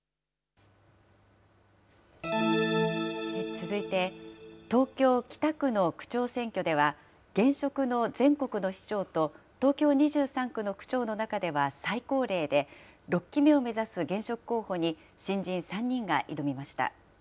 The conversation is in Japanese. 続いて、東京・北区の区長選挙では、現職の全国の市長と東京２３区の区長の中では最高齢で６期目を目指す現職候補に新人３人が挑みました。